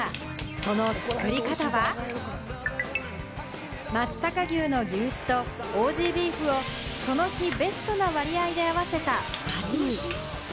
その作り方は、松阪牛の牛脂とオージー・ビーフをその日ベストな割合で合わせたパティ。